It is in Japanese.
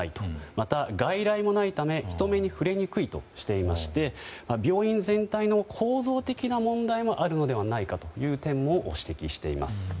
また外来もないため人目に触れにくいとしていまして病院全体の構造的な問題もあるのではないかという点を指摘しています。